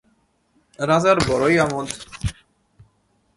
রাজার বড়ই আমােদ!